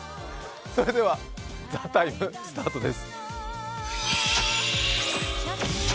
それでは「ＴＨＥＴＩＭＥ，」スタートです。